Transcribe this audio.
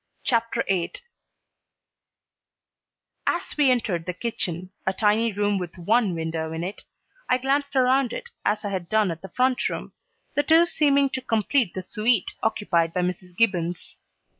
CHAPTER VIII As we entered the kitchen, a tiny room with one window in it, I glanced around it as I had done at the front room, the two seeming to complete the suite occupied by Mrs. Gibbons.